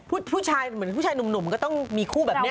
ผู้ชายเหมือนผู้ชายหนุ่มก็ต้องมีคู่แบบนี้